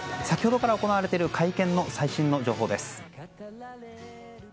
先ほどから行われている会見の最新情報です。